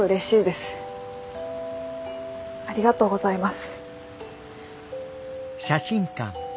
ありがとうございます。